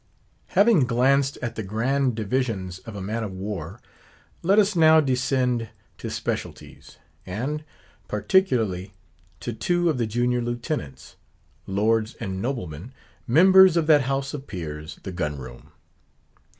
Having glanced at the grand divisions of a man of war, let us now descend to specialities: and, particularly, to two of the junior lieutenants; lords and noblemen; members of that House of Peers, the gun room.